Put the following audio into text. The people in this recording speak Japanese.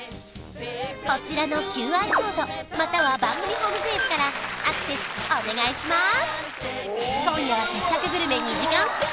こちらのＱＲコードまたは番組ホームページからアクセスお願いしまーす